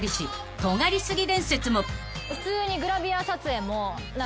普通に。